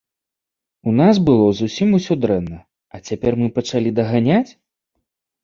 У нас было зусім усё дрэнна, а цяпер мы пачалі даганяць?